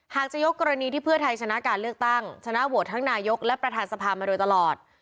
จะยกกรณีที่เพื่อไทยชนะการเลือกตั้งชนะโหวตทั้งนายกและประธานสภามาโดยตลอด